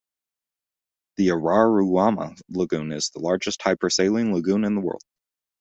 The Araruama lagoon is the largest hypersaline lagoon in the world.